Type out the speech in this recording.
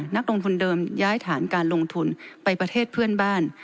นักลงทุนเดิมย้ายฐานการลงทุนไปประเทศเพื่อนบ้าน